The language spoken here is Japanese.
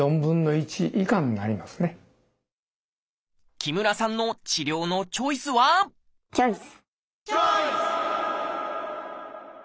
木村さんの治療のチョイスはチョイス！